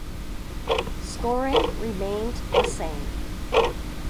Scoring remained the same.